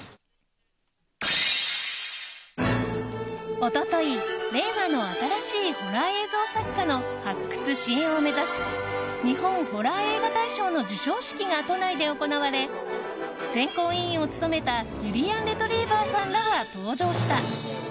一昨日、令和の新しいホラー映像作家の発掘・支援を目指す日本ホラー映画大賞の授賞式が都内で行われ選考委員を務めたゆりやんレトリィバァさんらが登場した。